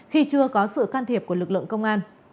khi chưa có sự can thiệp của lực lượng công an